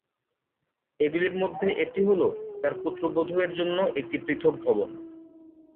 এগুলির মধ্যে একটি হল তার পুত্রবধূ -এর জন্য একটি পৃথক ভবন।